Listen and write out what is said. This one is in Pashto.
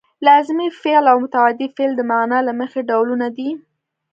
لازمي فعل او متعدي فعل د معنا له مخې ډولونه دي.